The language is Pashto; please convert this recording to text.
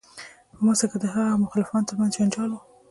په مصر کې د هغه او مخالفانو تر منځ جنجال و.